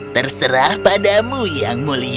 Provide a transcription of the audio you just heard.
terserah padamu yang mulia